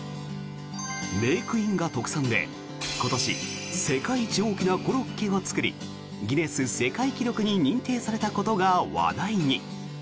メークインが特産で、今年世界一大きなコロッケを作りギネス世界記録に認定されたことが話題に。